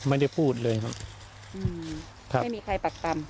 ไม่ได้พูดเลยครับอืมครับไม่มีใครปรักปรรม